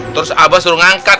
terus aba suruh ngangkat